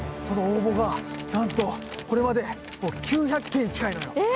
その応募がなんとこれまでもう９００件近いのよ。